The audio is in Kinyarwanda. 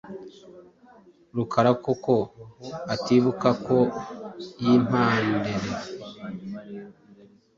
Rukara ko ko atibuka ko y impanderae.